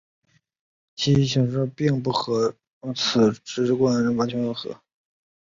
其形式定义并不和此直观完全吻合。